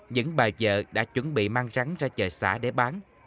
những bà chợ đã chuẩn bị mang rắn ra chợ xã để bán